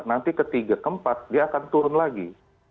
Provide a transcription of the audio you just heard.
nanti ketiga keempat dia akan turun lagi